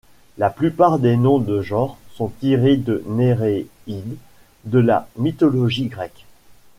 La plupart des noms de genres sont tirés de Néréides de la mythologie grecque.